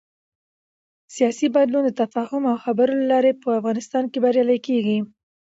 سیاسي بدلون د تفاهم او خبرو له لارې په افغانستان کې بریالی کېږي